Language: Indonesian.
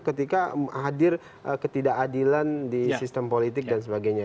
ketika hadir ketidakadilan di sistem politik dan sebagainya